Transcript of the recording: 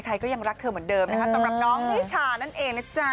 ก็ยังรักเธอเหมือนเดิมนะคะสำหรับน้องนิชานั่นเองนะจ๊ะ